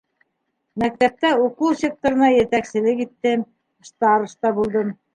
Мәктәптә уҡыу секторына етәкселек иттем, староста булдым.